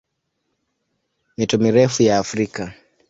Mito mirefu ya Afrika